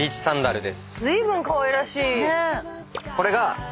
ずいぶんかわいらしい。